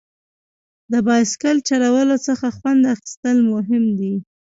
د بایسکل چلولو څخه خوند اخیستل مهم دي.